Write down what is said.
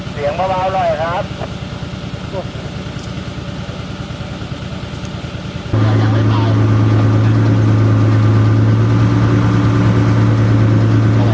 เป็นยังไงรถเฮียบ